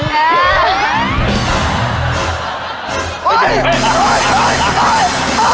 อย่าไปแล้ว